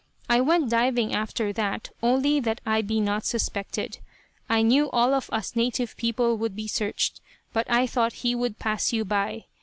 I went diving after that only that I be not suspected. I knew all of us native people would be searched, but I thought he would pass you by.